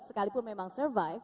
sekalipun memang survive